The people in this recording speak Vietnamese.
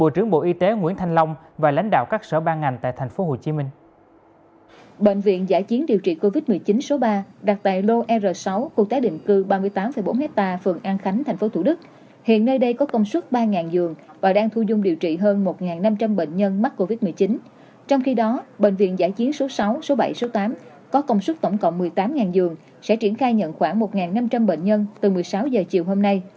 trường quay việt nam sẽ truyền giải chiến số sáu số bảy số tám có công suất tổng cộng một mươi tám dường sẽ triển khai nhận khoảng một năm trăm linh bệnh nhân từ một mươi sáu giờ chiều hôm nay